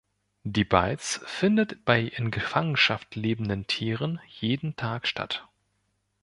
Die Balz findet bei in Gefangenschaft lebenden Tieren jeden Tag statt.